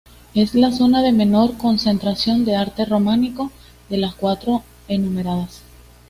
Es la zona de menor concentración de arte románico de las cuatro enumeradas.